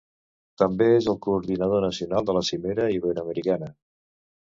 També és el Coordinador Nacional de la Cimera Iberoamericana.